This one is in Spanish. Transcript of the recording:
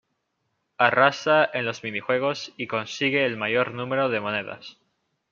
Arrasa en los minijuegos y consigue el mayor número de monedas.